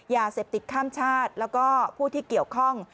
ยาเสพติดข้ามชาติแล้วก็ผู้ที่เกี่ยวข้อง